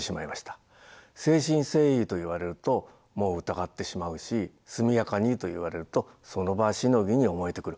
「誠心誠意」と言われるともう疑ってしまうし「速やかに」と言われるとその場しのぎに思えてくる。